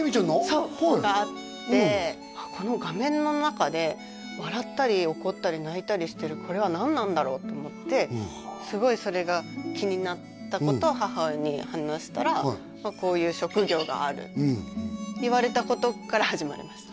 そうがあってこの画面の中で笑ったり怒ったり泣いたりしてるこれは何なんだろう？と思ってすごいそれが気になったことを母親に話したらこういう職業がある言われたことから始まりました